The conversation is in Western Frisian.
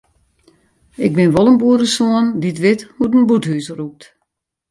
Ik bin wol in boeresoan dy't wit hoe't in bûthús rûkt.